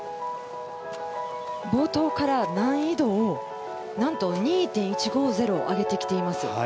冒頭から難易度をなんと２．１５０上げてきています。